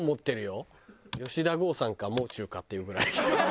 吉田豪さんかもう中かっていうぐらい。